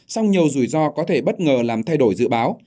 song nhiều rủi ro có thể bất ngờ làm thay đổi dự báo